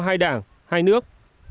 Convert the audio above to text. hai đảng hai nước